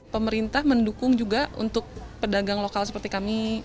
pemerintah mendukung juga untuk pedagang lokal seperti kami